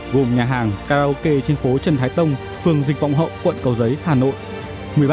gồm nhà hàng karaoke trên phố trần thái tông phường dịch vọng hậu quận cầu giấy hà nội